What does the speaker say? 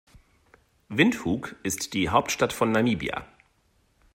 Windhoek ist die Hauptstadt von Namibia.